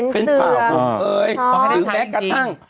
เป็นเสือกหรือแม้กระทั่ง